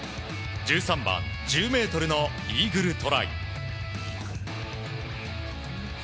１３番、１０ｍのイーグルトライ。